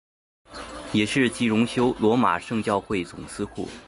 也是及荣休罗马圣教会总司库。